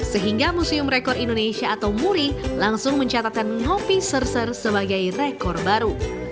sehingga museum rekor indonesia atau muri langsung mencatatkan ngopi serser sebagai rekor baru